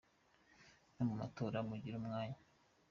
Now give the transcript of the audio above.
No mu matora mugire umwanya